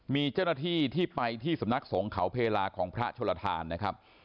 มีเจ้าหน้าที่ที่ไปที่สำนักสงเขาเพลาของพระชลทานนะครับ